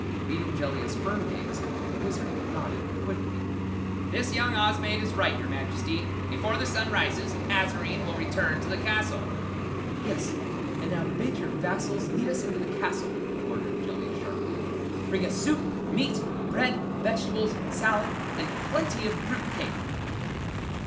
Meeting Jellia's firm gaze, the Wizard nodded quickly. "This young Oz maid is right, your Majesty! Before the sun rises Azarine will return to this castle!" "Yes and now bid your vassals lead us into the castle!" ordered Jellia sharply. "Bring us soup, meat, bread, vegetables, salad and plenty of fruit and cake!"